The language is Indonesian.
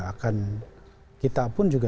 akan kita pun juga